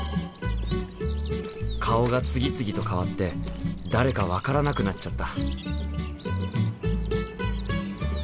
顔が次々と変わって誰か分からなくなっちゃった。